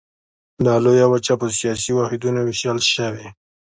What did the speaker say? دا لویه وچه په سیاسي واحدونو ویشل شوې.